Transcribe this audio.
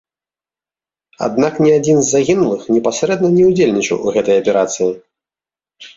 Аднак ні адзін з загінулых непасрэдна не ўдзельнічаў у гэтай аперацыі.